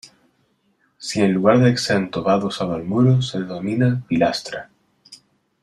Si en lugar de exento va adosado al muro se denomina pilastra.